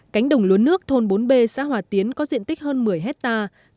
cánh đồng lúa nước thôn bốn b xã hòa tiến có diện tích hơn một mươi hectare